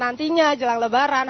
nantinya jelang lebaran